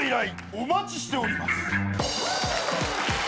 お待ちしております。